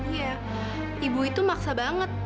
iya ibu itu maksa banget